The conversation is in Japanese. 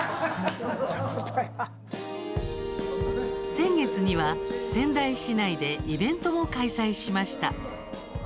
先月には、仙台市内でイベントも開催しました。